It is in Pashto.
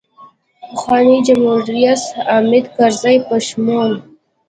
پخواني جمهورریس حامدکرزي په شمول.